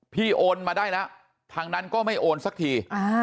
โอนมาได้แล้วทางนั้นก็ไม่โอนสักที